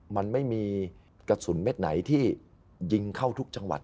มันไม่มีกระสุนเม็ดไหนที่ยิงเข้าทุกจังหวัด